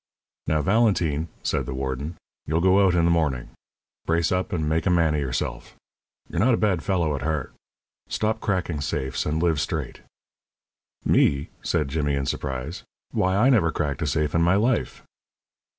"Now, Valentine," said the warden, "you'll go out in the morning. Brace up, and make a man of yourself. You're not a bad fellow at heart. Stop cracking safes, and live straight." "Me?" said Jimmy, in surprise. "Why, I never cracked a safe in my life."